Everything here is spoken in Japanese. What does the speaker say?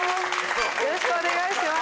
よろしくお願いします